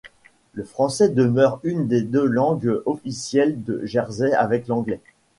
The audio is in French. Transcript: Le français demeure une des deux langues officielles de Jersey avec l'anglais.